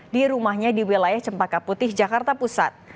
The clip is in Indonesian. di rumahnya di wilayah cempaka putih jakarta pusat